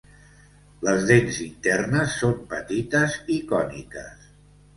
Les dents internes són petites i còniques.